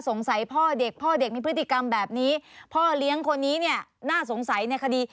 พ่อเด็กพ่อเด็กมีพฤติกรรมแบบนี้พ่อเลี้ยงคนนี้เนี่ยน่าสงสัยในคดี